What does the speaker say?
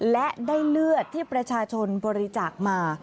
และได้เลือดที่ประชาชนบริจาคมา